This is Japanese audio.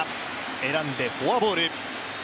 選んでフォアボール。